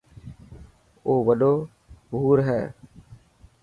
اي وڏو حور هي.